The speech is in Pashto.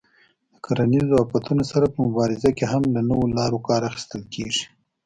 د کرنیزو آفتونو سره په مبارزه کې هم له نویو لارو کار اخیستل کېږي.